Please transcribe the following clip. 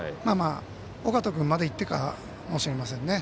尾形君までいってからかもしれませんね。